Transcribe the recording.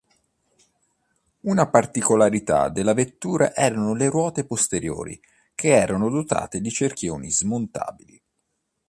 Una particolarità della vettura erano le ruote posteriori che erano dotate di cerchioni smontabili.